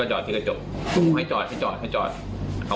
ต้องขอโทษแล้วเพราะว่าผมไม่ตั้งใจมายิงเขา